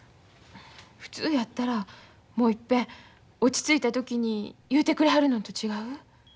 普通やったらもう一遍落ち着いた時に言うてくれはるのんと違う？